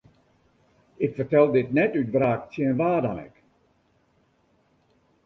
Ik fertel dit net út wraak tsjin wa dan ek.